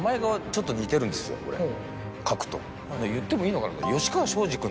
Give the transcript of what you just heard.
俺書くと言ってもいいのかな。